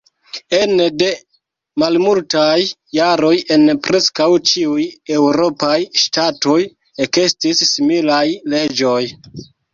Ene de malmultaj jaroj en preskaŭ ĉiuj eŭropaj ŝtatoj ekestis similaj leĝoj.